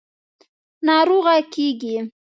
– ناروغه کېږې.